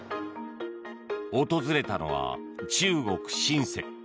訪れたのは中国シンセン。